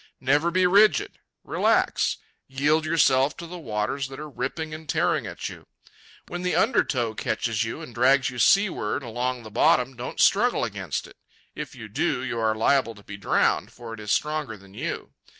Never be rigid. Relax. Yield yourself to the waters that are ripping and tearing at you. When the undertow catches you and drags you seaward along the bottom, don't struggle against it. If you do, you are liable to be drowned, for it is stronger than you.